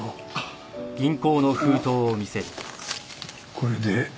これで。